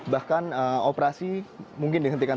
bahkan operasi mungkin dihentikan